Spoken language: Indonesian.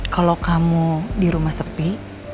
kalau kamu di rumah sepi